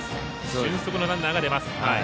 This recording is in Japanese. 俊足のランナーが出ます。